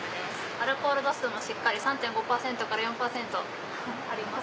アルコール度数もしっかり３．５％から４％あります。